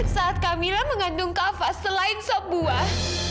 saat kamila mengandung kafa selain sop buah